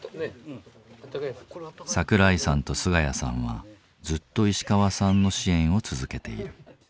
桜井さんと菅家さんはずっと石川さんの支援を続けている。